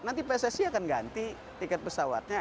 nanti pssi akan ganti tiket pesawatnya